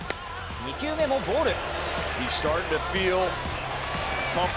２球目もボール。